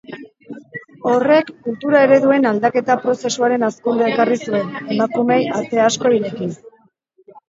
Horrek kultura-ereduen aldaketa-prozesuaren hazkundea ekarri zuen, emakumeei ate asko irekiz.